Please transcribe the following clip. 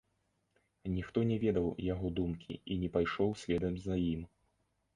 Ніхто не ведаў яго думкі і не пайшоў следам за ім.